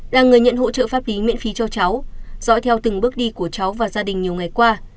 là người nhận hỗ trợ pháp lý miễn phí cho cháu dõi theo từng bước đi của cháu và gia đình nhiều ngày qua